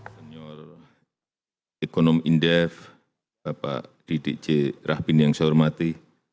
senior ekonom indef bapak didik c rahbin yang saya hormati